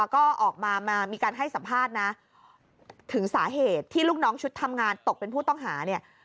ก็ออกมามีการให้สัมภาษณ์นะถึงสาเหตุที่ลูกน้องชุดทำงานตกเป็นผู้ต้องหาเนี่ย